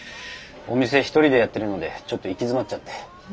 お店一人でやってるのでちょっと行き詰まっちゃって。